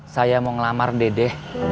saya mau ngelamar dede